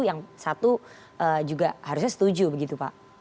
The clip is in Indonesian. yang satu juga harusnya setuju begitu pak